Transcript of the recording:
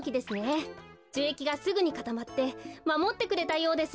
じゅえきがすぐにかたまってまもってくれたようです。